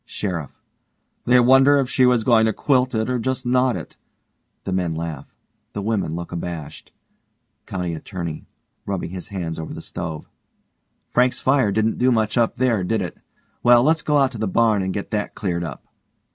SHERIFF: They wonder if she was going to quilt it or just knot it! (The men laugh, the women look abashed.) COUNTY ATTORNEY: (rubbing his hands over the stove) Frank's fire didn't do much up there, did it? Well, let's go out to the barn and get that cleared up.